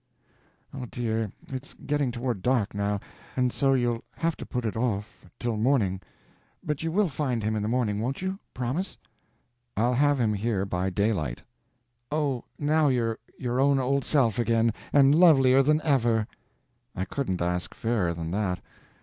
—" "Oh, dear, it's getting toward dark, now, and so you'll have to put it off till morning. But you will find him in the morning, won't you? Promise." "I'll have him here by daylight." "Oh, now you're your own old self again—and lovelier than ever!" "I couldn't ask fairer than that.